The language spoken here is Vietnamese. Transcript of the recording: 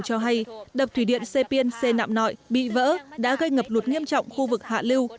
cho hay đập thủy điện sê piên xê nạm nội bị vỡ đã gây ngập lụt nghiêm trọng khu vực hạ lưu